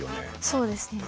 そうですね。